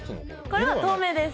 これは透明です。